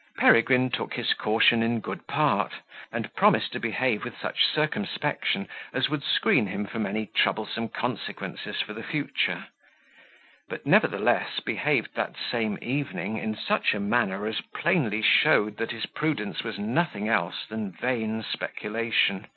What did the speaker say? Peregrine took his caution in good part, and promised to behave with such circumspection as would screen him from any troublesome consequences for the future: but, nevertheless, behaved that same evening in such a manner as plainly showed that his prudence was nothing else than vain speculation.